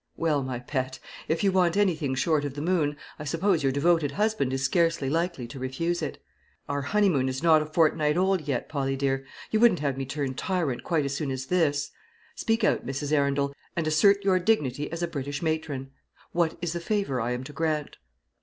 "Well, my pet, if you want anything short of the moon, I suppose your devoted husband is scarcely likely to refuse it. Our honeymoon is not a fortnight old yet, Polly dear; you wouldn't have me turn tyrant quite as soon as this. Speak out, Mrs. Arundel, and assert your dignity as a British matron. What is the favour I am to grant?"